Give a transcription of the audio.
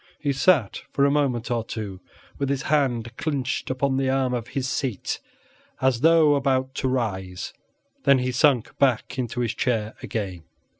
He sat for a moment or two with his hand clinched upon the arm of his seat as though about to rise, then he sunk back into his chair again.